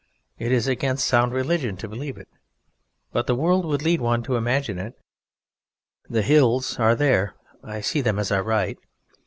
It is against sound religion to believe it, but the world would lead one to imagine it. The Hills are there. I see them as I write.